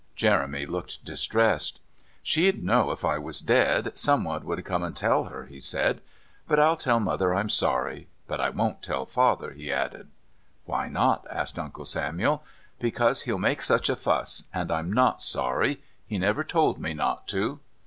Jeremy looked distressed. "She'd know if I was dead, someone would come and tell her," he said. "But I'll tell Mother I'm sorry... But I won't tell Father," he added. "Why not?" asked Uncle Samuel. "Because he'll make such a fuss. And I'm not sorry. He never told me not to."